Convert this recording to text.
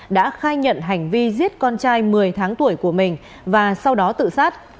đã khai nhận hành vi giết con trai một mươi tháng tuổi của mình và sau đó tự sát